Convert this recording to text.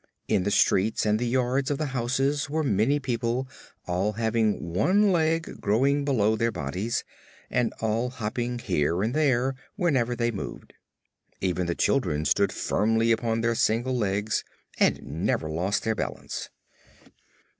In the streets and the yards of the houses were many people all having one leg growing below their bodies and all hopping here and there whenever they moved. Even the children stood firmly upon their single legs and never lost their balance.